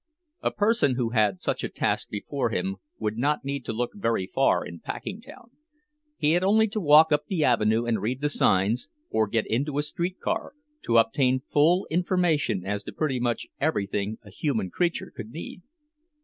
A person who had such a task before him would not need to look very far in Packingtown—he had only to walk up the avenue and read the signs, or get into a streetcar, to obtain full information as to pretty much everything a human creature could need.